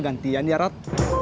gantian ya rod